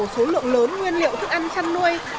nhập khẩu số lượng lớn nguyên liệu thức ăn chăn nuôi